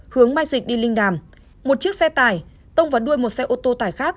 hướng mai dịch đi linh đàm một chiếc xe tải tông vào đuôi một xe ô tô tải khác